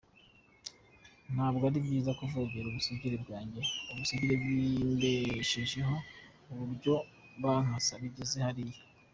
Ntabwo ari byiza kuvogera ubusugire bwanjye, ubusugire bw’ibimbeshejeho kuburyo bankasa bigeze hariya.